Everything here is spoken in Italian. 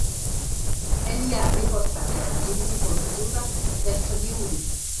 Egli ha riportato la risicoltura nel Friuli.